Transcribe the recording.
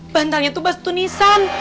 bantalnya tuh bahasa tunisian